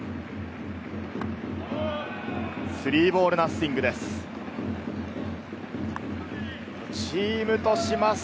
３ボールナッシングです。